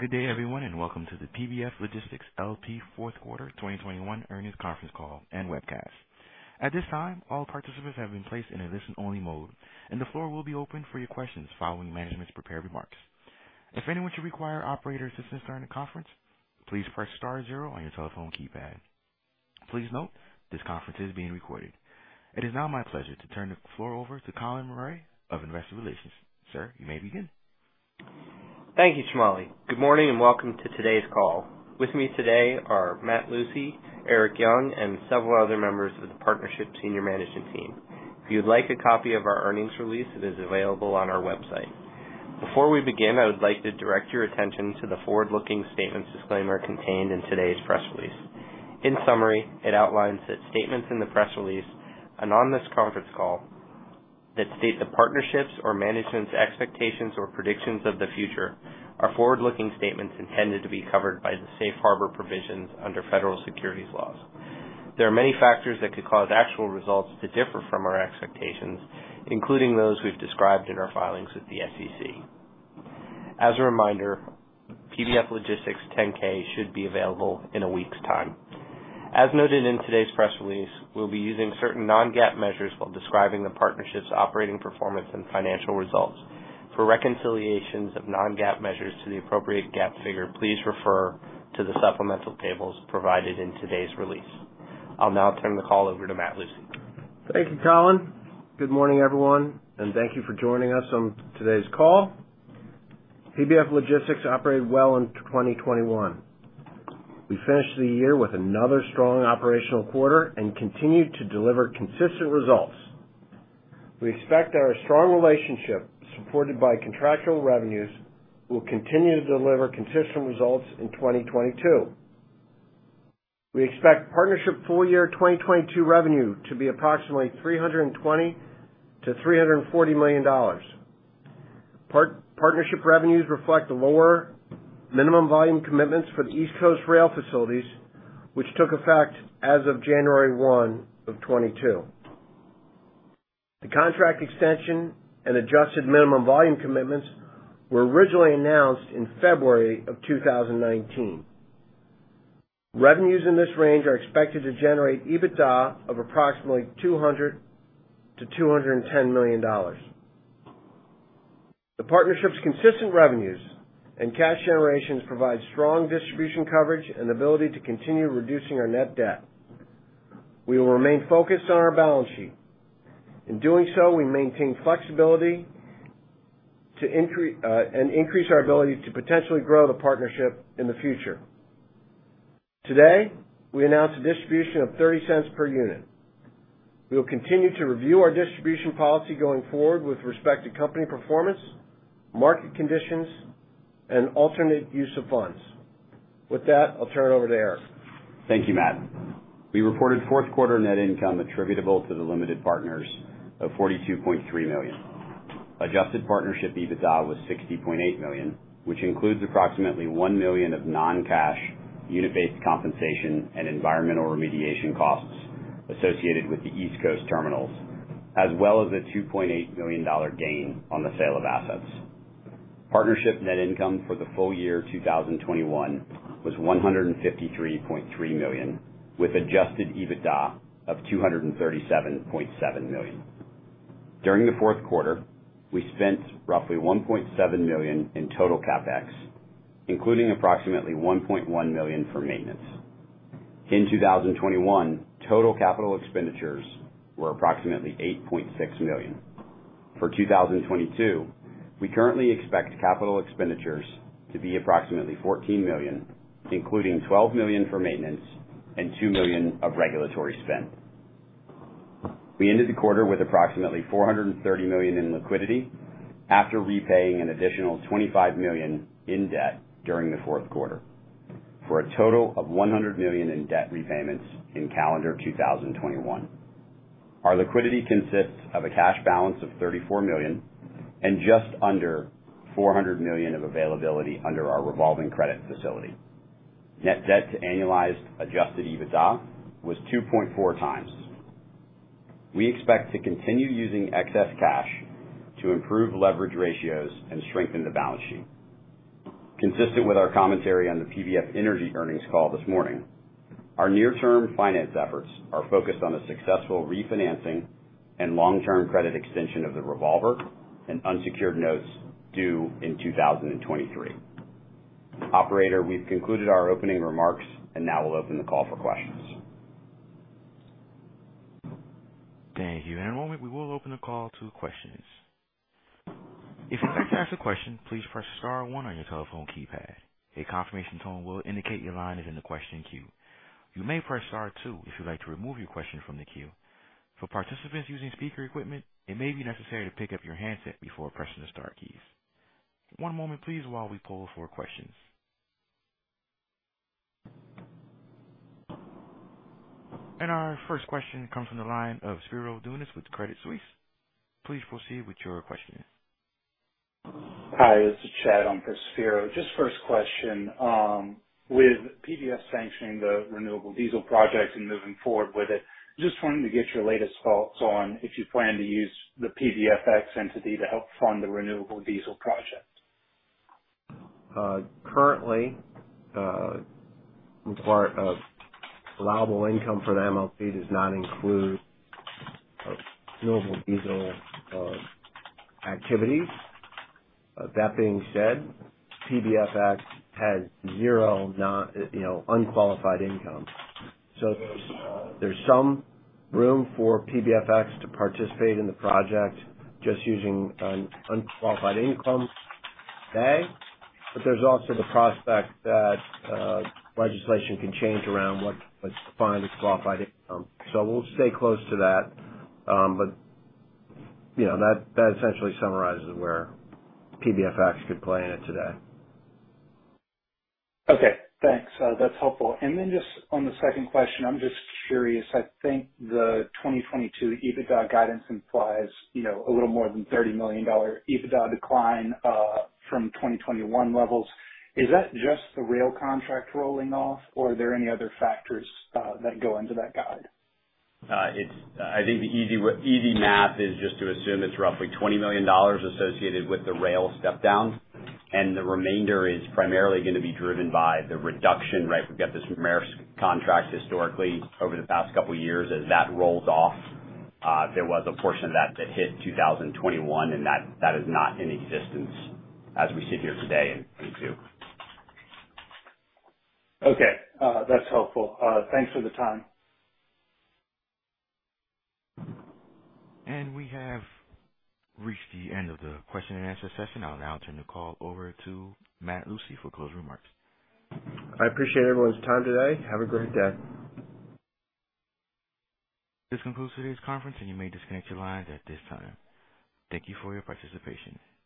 Good day, everyone, and welcome to the PBF Logistics LP Fourth Quarter 2021 Earnings Conference Call and Webcast. At this time, all participants have been placed in a listen-only mode, and the floor will be open for your questions following management's prepared remarks. If anyone should require operator assistance during the conference, please press star zero on your telephone keypad. Please note, this conference is being recorded. It is now my pleasure to turn the floor over to Colin Murray of Investor Relations. Sir, you may begin. Thank you, Chamali. Good morning, and welcome to today's call. With me today are Matt Lucey, Erik Young, and several other members of the partnership senior management team. If you'd like a copy of our earnings release, it is available on our website. Before we begin, I would like to direct your attention to the forward-looking statements disclaimer contained in today's press release. In summary, it outlines that statements in the press release and on this conference call that state the partnership's or management's expectations or predictions of the future are forward-looking statements intended to be covered by the safe harbor provisions under federal securities laws. There are many factors that could cause actual results to differ from our expectations, including those we've described in our filings with the SEC. As a reminder, PBF Logistics 10-K should be available in a week's time. As noted in today's press release, we'll be using certain non-GAAP measures while describing the partnership's operating performance and financial results. For reconciliations of non-GAAP measures to the appropriate GAAP figure, please refer to the supplemental tables provided in today's release. I'll now turn the call over to Matt Lucey. Thank you, Colin. Good morning, everyone, and thank you for joining us on today's call. PBF Logistics operated well in 2021. We finished the year with another strong operational quarter and continued to deliver consistent results. We expect that our strong relationship, supported by contractual revenues, will continue to deliver consistent results in 2022. We expect partnership full year 2022 revenue to be approximately $320 million-$340 million. Partnership revenues reflect lower minimum volume commitments for the East Coast rail facilities, which took effect as of January 1, 2022. The contract extension and adjusted minimum volume commitments were originally announced in February 2019. Revenues in this range are expected to generate EBITDA of approximately $200 million-$210 million. The partnership's consistent revenues and cash generations provide strong distribution coverage and the ability to continue reducing our net debt. We will remain focused on our balance sheet. In doing so, we maintain flexibility to increase our ability to potentially grow the partnership in the future. Today, we announced a distribution of $0.30 per unit. We will continue to review our distribution policy going forward with respect to company performance, market conditions, and alternate use of funds. With that, I'll turn it over to Erik. Thank you, Matt. We reported Q4 net income attributable to the limited partners of $42.3 million. Adjusted partnership EBITDA was $60.8 million, which includes approximately $1 million of non-cash unit-based compensation and environmental remediation costs associated with the East Coast terminals, as well as a $2.8 million dollar gain on the sale of assets. Partnership net income for the full year 2021 was $153.3 million, with adjusted EBITDA of $237.7 million. During the Q4, we spent roughly $1.7 million in total CapEx, including approximately $1.1 million for maintenance. In 2021, total capital expenditures were approximately $8.6 million. For 2022, we currently expect capital expenditures to be approximately $14 million, including $12 million for maintenance and $2 million of regulatory spend. We ended the quarter with approximately $430 million in liquidity after repaying an additional $25 million in debt during the Q4 for a total of $100 million in debt repayments in calendar 2021. Our liquidity consists of a cash balance of $34 million and just under $400 million of availability under our revolving credit facility. Net debt to annualized adjusted EBITDA was 2.4x. We expect to continue using excess cash to improve leverage ratios and strengthen the balance sheet. Consistent with our commentary on the PBF Energy earnings call this morning, our near-term finance efforts are focused on the successful refinancing and long-term credit extension of the revolver and unsecured notes due in 2023. Operator, we've concluded our opening remarks and now we'll open the call for questions. Thank you. In a moment, we will open the call to questions. If you'd like to ask a question, please press star one on your telephone keypad. A confirmation tone will indicate your line is in the question queue. You may press star two if you'd like to remove your question from the queue. For participants using speaker equipment, it may be necessary to pick up your handset before pressing the star keys. One moment please while we poll for questions. Our first question comes from the line of Spiro Dounis with Credit Suisse. Please proceed with your question. Hi, this is Chad on for Spiro. Just first question. With PBF sanctioning the renewable diesel projects and moving forward with it, just wanting to get your latest thoughts on if you plan to use the PBFX entity to help fund the renewable diesel project? Currently, required allowable income for the MLP does not include renewable diesel activities. That being said, PBFX has zero, you know, non-qualifying income. So there's some room for PBFX to participate in the project just using a non-qualifying income bucket. But there's also the prospect that legislation can change around what's defined as qualifying income. So we'll stay close to that. You know, that essentially summarizes where PBFX could play in it today. Okay, thanks. That's helpful. Then just on the second question, I'm just curious. I think the 2022 EBITDA guidance implies, you know, a little more than $30 million EBITDA decline from 2021 levels. Is that just the rail contract rolling off or are there any other factors that go into that guide? I think the easy math is just to assume it's roughly $20 million associated with the rail step down and the remainder is primarily gonna be driven by the reduction, right? We've got this Maersk contract historically over the past couple of years as that rolls off, there was a portion of that that hit 2021, and that is not in existence as we sit here today in 2022. Okay, that's helpful. Thanks for the time. We have reached the end of the question and answer session. I'll now turn the call over to Matt Lucey for closing remarks. I appreciate everyone's time today. Have a great day. This concludes today's conference, and you may disconnect your lines at this time. Thank you for your participation.